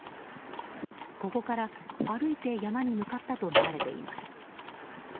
ここから歩いて山に向かったとみられています。